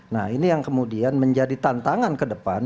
nah ini yang kemudian menjadi tantangan ke depan